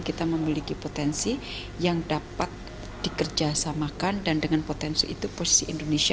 kita memiliki potensi yang dapat dikerjasamakan dan dengan potensi itu posisi indonesia